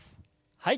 はい。